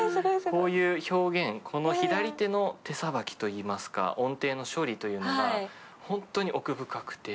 こういう表現この左手の手さばきと言いますか音程の処理というのがほんとに奥深くて。